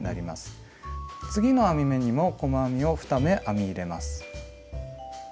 次の編み目にも細編みを２目編み入れます。